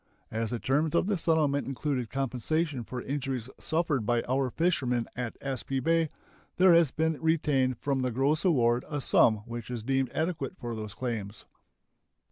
As the terms of the settlement included compensation for injuries suffered by our fishermen at Aspee Bay, there has been retained from the gross award a sum which is deemed adequate for those claims.